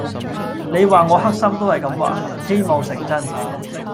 你話我黑心都係咁話，希望成真